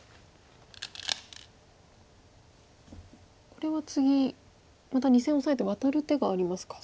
これは次また２線オサえてワタる手がありますか。